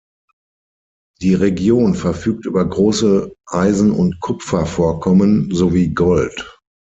Die Region verfügt über große Eisen- und Kupfervorkommen, sowie Gold.